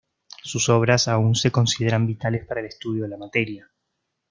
Sus obras aun se consideran vitales para el estudio de la materia.